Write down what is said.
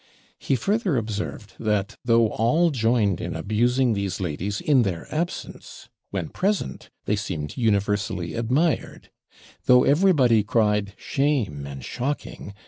He further observed, that, though all joined in abusing these ladies in their absence, when present they seemed universally admired. Though everybody cried 'Shame!' and 'shocking!'